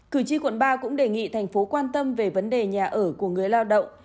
cử tri quận ba cũng đề nghị thành phố quan tâm về vấn đề nhà ở của người lao động